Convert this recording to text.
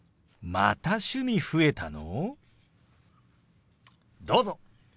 また趣味増えたの！？